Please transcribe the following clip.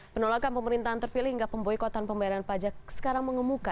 penolakan pemerintahan terpilih hingga pemboikotan pembayaran pajak sekarang mengemuka